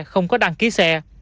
không có đăng ký xe